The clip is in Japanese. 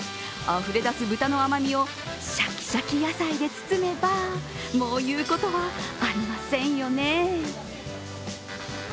あふれ出す豚の甘みをシャキシャキ野菜で包めば、もう言うことはありませんよね。